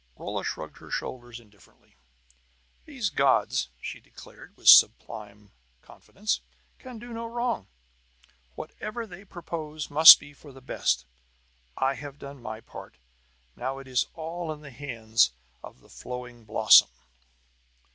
Rolla shrugged her shoulders indifferently. "These gods," she declared with sublime confidence, "can do no wrong! Whatever they propose must be for the best! I have done my part; now it is all in the hands of the Flowing Blossom!"